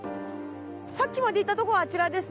さっきまでいたとこがあちらですね。